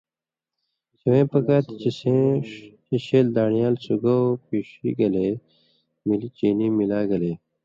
سِوئیں پکار تھی۔ چے سیں ششیل دان٘ڑیال سُگاؤ پیݜی گلے ملی چینی ملا گلے